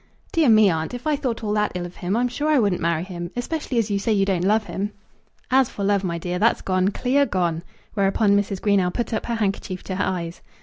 "Dear me, aunt, if I thought all that ill of him, I'm sure I wouldn't marry him; especially as you say you don't love him." "As for love, my dear, that's gone, clear gone!" Whereupon Mrs. Greenow put up her handkerchief to her eyes.